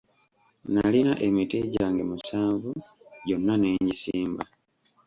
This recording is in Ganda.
Nalina emiti gyange musanvu gyonna ne ngisimba.